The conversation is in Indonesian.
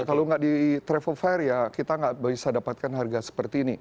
kalau nggak di travel fair ya kita nggak bisa dapatkan harga seperti ini